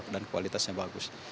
dan kualitasnya bagus